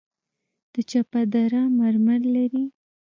د چپه دره مرمر لري